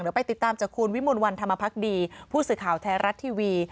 เดี๋ยวไปติดตามจากคุณวิมลวันธรรมพักดีผู้สื่อข่าวไทยรัฐทีวี